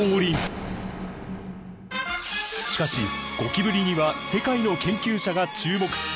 しかしゴキブリには世界の研究者が注目！